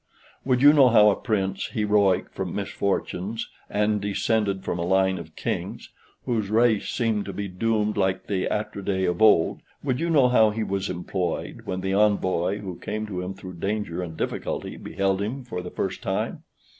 Would you know how a prince, heroic from misfortunes, and descended from a line of kings, whose race seemed to be doomed like the Atridae of old would you know how he was employed, when the envoy who came to him through danger and difficulty beheld him for the first time?